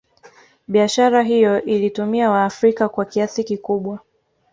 Biashara hiyo ilitumia waafrika kwa kiasi kikubwa